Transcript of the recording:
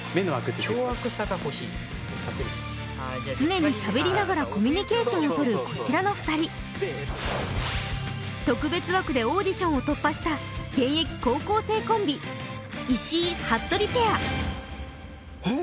凶悪さが欲しい目の枠常にしゃべりながらコミュニケーションをとるこちらの２人特別枠でオーディションを突破した現役高校生コンビ石井・服部ペア・えっ？